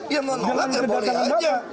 iya menolak ya boleh saja